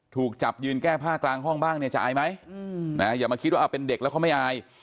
ถูกจับยืนแก้ผ้ากลางห้องบ้างเนี่ยจะอายไหมอย่ามาคิดว่าเป็นเด็กแล้วเขาไม่อาย